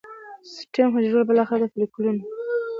سټیم حجرې بالاخره د فولیکونو